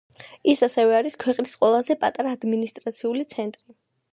ის ასევე არის ქვეყნის ყველაზე პატარა ადმინისტრაციული ცენტრი.